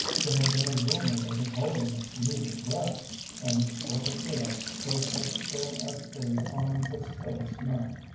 There had been a rumor that His Holiness needed rest, and Borgo Pio was as still as it is on the stillest night.